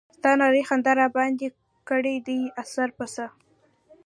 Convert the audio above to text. ستا نرۍ خندا راباندې کړے دے اثر پۀ څۀ